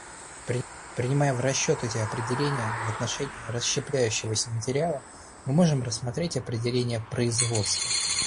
Принимая в расчет эти определения в отношении расщепляющегося материала, мы можем рассмотреть определение "производства".